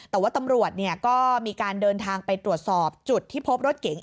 แต่ว่าตำรวจก็มีการเดินทางไปตรวจสอบจุดที่พบรถเก๋ง